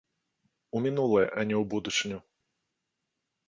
У мінулае, а не ў будучыню.